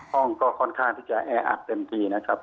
ห้องก็ค่อนข้างที่จะแออัดเต็มทีนะครับ